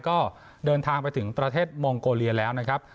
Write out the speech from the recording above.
ก็เดินทางไปถึงประเทศมองโกเลียแล้วนะครับ